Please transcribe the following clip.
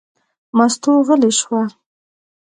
مستو غلې شوه.